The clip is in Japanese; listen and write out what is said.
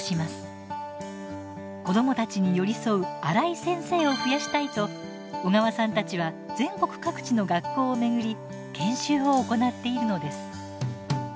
子どもたちに寄り添うアライ先生を増やしたいと小川さんたちは全国各地の学校を巡り研修を行っているのです。